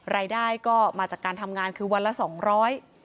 รายได้ก็มาจากการทำงานคือวันละสองร้อย